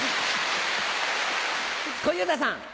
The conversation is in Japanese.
小遊三さん。